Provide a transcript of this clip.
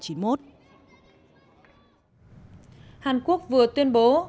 hàn quốc vừa tuyên bố